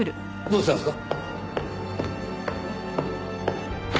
どうしたんですか？